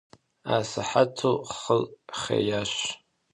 Асыхьэту хъыр хъеящ.